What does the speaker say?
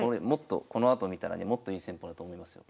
このあと見たらねもっといい戦法だと思いますよ。